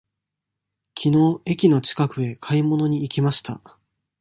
きのう駅の近くへ買い物に行きました。